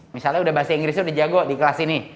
misalnya udah bahasa inggrisnya udah jago di kelas ini